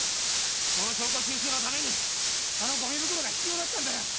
その証拠収集のためにあのゴミ袋が必要だったんだよ。